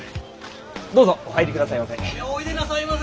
どうぞお入り下さいませ。